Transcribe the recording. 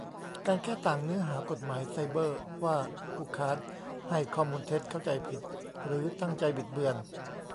การแก้ต่างเนื้อหากฎหมายไซเบอร์ว่า ผู้ค้านให้ข้อมูลเท็จ เข้าใจผิด หรือตั้งใจบิดเบือน